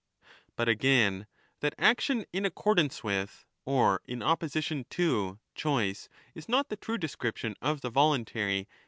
But again, that action in accordance with, or in opposition 8 to, choice is not the true description of the voluntary and 18 sqq.